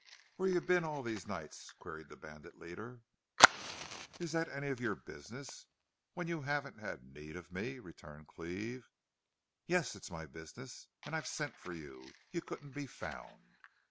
"Where've you been all these nights?" queried the bandit leader. "Is that any of your business when you haven't had need of me?" returned Cleve. "Yes, it's my business. And I've sent for you. You couldn't be found."